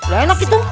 gak enak gitu